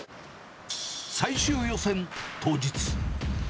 最終予選当日。